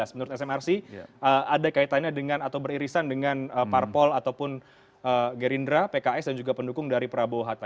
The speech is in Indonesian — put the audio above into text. menurut smrc ada kaitannya dengan atau beririsan dengan parpol ataupun gerindra pks dan juga pendukung dari prabowo hatta